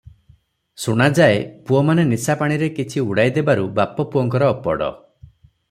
ଶୁଣାଯାଏ, ପୁଅମାନେ ନିଶାପାଣିରେ କିଛି ଉଡ଼ାଇ ଦେବାରୁ ବାପ ପୁଅଙ୍କର ଅପଡ଼ ।